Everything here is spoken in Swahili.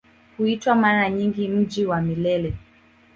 Huitwa mara nyingi "Mji wa Milele".